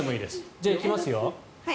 じゃあ、いきますよ。